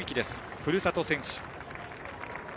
ふるさと選手。